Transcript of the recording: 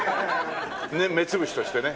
目潰しとしてね。